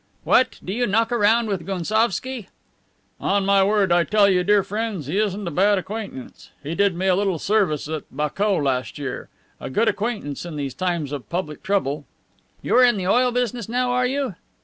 "What! do you knock around with Gounsovski?" "On my word, I tell you, dear friends, he isn't a bad acquaintance. He did me a little service at Bakou last year. A good acquaintance in these times of public trouble." "You are in the oil business now, are you?"